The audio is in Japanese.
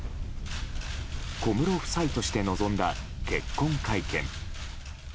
小室夫妻として臨んだ結婚会見。